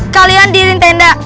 kalian diri tenda